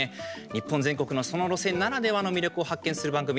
日本全国のその路線ならではの魅力を発見する番組。